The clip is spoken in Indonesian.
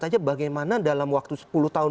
saja bagaimana dalam waktu sepuluh tahun